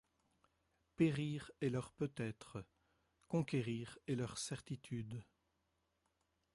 Périr est leur peut-être, conquérir est leur certitude.